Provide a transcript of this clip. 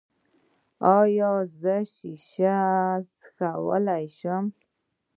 ایا زه شیشې څکولی شم؟